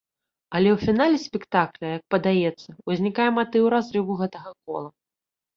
Але ў фінале спектакля, як падаецца, узнікае матыў разрыву гэтага кола.